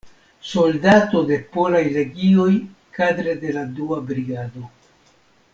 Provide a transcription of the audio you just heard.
Soldato de Polaj Legioj kadre de la Dua Brigado.